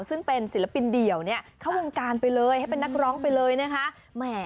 ซึ่งเป็นศิลปินเดี่ยวเนี่ยเข้าวงการไปเลยให้เป็นนักร้องไปเลยนะคะ